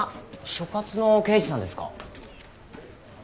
所轄の刑事さんですか？